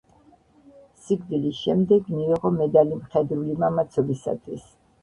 სიკვდილის შემდეგ მიიღო მედალი მხედრული მამაცობისათვის.